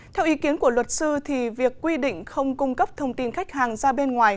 theo ý kiến của luật sư thì việc quy định không cung cấp thông tin khách hàng ra bên ngoài